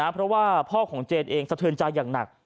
เพราะว่าพ่อของเจนเองสะเทือนใจอย่างหนัก